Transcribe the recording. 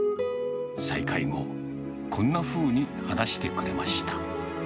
再会後、こんなふうに話してくれました。